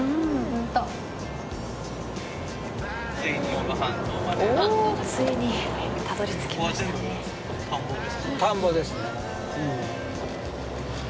おおついにたどり着きましたね。